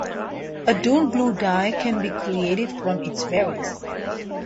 A dull blue dye can be created from its berries.